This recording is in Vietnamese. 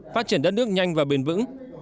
phát triển đất nước nhanh và bền vững